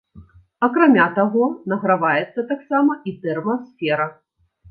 Акрамя таго, награваецца таксама і тэрмасфера.